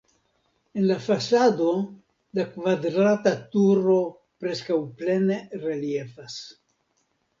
En la fasado la kvadrata turo preskaŭ plene reliefas.